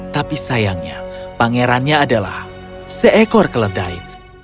tapi sayangnya pangerannya adalah seekor keledai